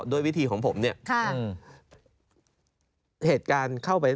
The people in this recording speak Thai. แล้วก็มีแผนที่เขตรักษาพันธุ์สัตว์ป่า